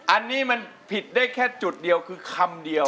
อันนี้มันผิดได้แค่จุดเดียวคือคำเดียว